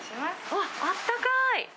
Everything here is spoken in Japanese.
うわ、あったかい。